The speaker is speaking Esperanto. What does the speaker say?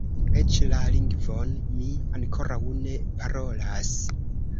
Eĉ la lingvon mi ankoraŭ ne parolas.